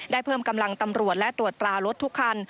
ได้เพิ่มกำลังตำรวจและตรวจตรารถทุกคัน